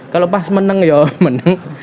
kalau pas meneng ya meneng